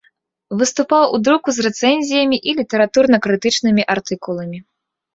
Выступаў у друку з рэцэнзіямі і літаратурна-крытычнымі артыкуламі.